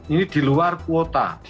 ini di luar kuota